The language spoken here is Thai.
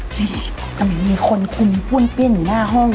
แต่ไม่มีคนคุ้มพุ่นปิ้นอยู่หน้าห้องนะ